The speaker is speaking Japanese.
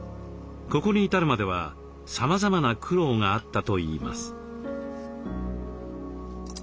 ここに至るまではさまざまな苦労があったといいます。